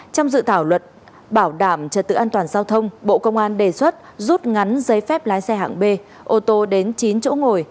trong dự thảo luật bảo đảm trật tự an toàn giao thông bộ công an đề xuất rút ngắn giấy phép lái xe hạng b ô tô đến chín chỗ ngồi